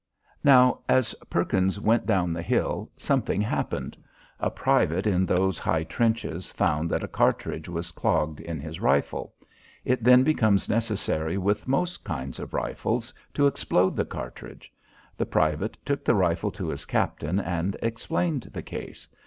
Now, as Perkins went down the hill, something happened. A private in those high trenches found that a cartridge was clogged in his rifle. It then becomes necessary with most kinds of rifles to explode the cartridge. The private took the rifle to his captain, and explained the case.